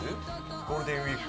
ゴールデンウィーク。